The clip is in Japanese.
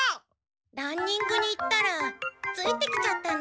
ランニングに行ったらついてきちゃったの。